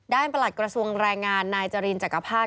ด้านประหลัดกรัศวงกรัฐแรงงานนายจรินจักรภาค